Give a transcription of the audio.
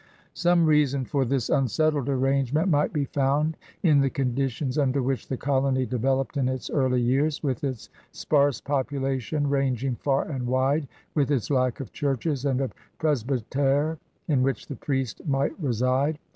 Some reason for this unsettled 124 CRUSADERS OF NEW FEIANCE arrangement might be found in the conditions under which the colony developed in its early years, with its sparse population ranging far and wide, with its lack of churches and of presbytires m which the priest might reside.